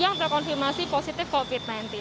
yang terkonfirmasi positif covid sembilan belas